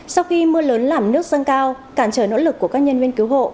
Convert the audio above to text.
sau khi mưa lớn lảm nước sân cao cản trở nỗ lực của các nhân viên cứu hộ